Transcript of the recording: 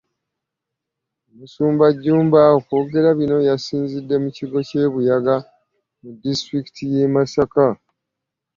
Omusumba Jjumba okwogera bino yasinzidde mu kigo ky’e Buyaga mu disitulikiti y’e Masaka